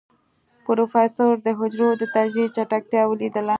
پروفيسر د حجرو د تجزيې چټکتيا وليدله.